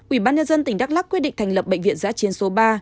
ủy ban nhân dân tỉnh đắk lắc quyết định thành lập bệnh viện giã chiến số ba